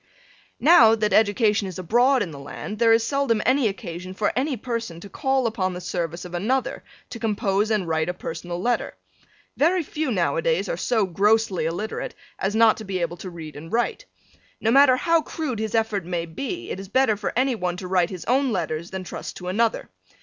Now, that education is abroad in the land, there is seldom any occasion for any person to call upon the service of another to compose and write a personal letter. Very few now a days are so grossly illiterate as not to be able to read and write. No matter how crude his effort may be it is better for any one to write his own letters than trust to another.